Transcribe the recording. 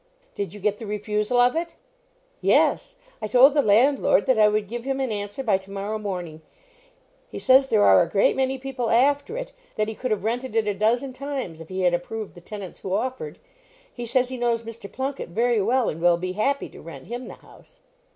"Did you get the refusal of it?" "Yes. I told the landlord that I would give him an answer by to morrow morning. He says there are a great many people after it; that he could have rented it a dozen times, if he had approved the tenants who offered. He says he knows Mr. Plunket very well, and will be happy to rent him the house."